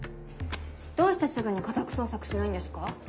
どうしてすぐに家宅捜索しないんですか？